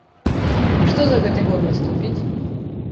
І што за гэты год наступіць?